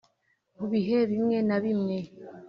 mu bihe bimwe na bimwe